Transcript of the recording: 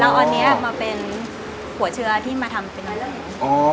แล้วอันนี้มาเป็นหัวเชื้อที่มาทำเป็นร้อยเรื่อง